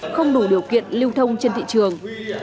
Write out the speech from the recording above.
không đủ điều kiện lưu thông trên thị trường